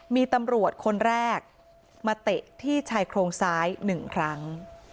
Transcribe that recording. มีตำรวจคนแรกมาเตะที่ชายโครงซ้าย๑ครั้ง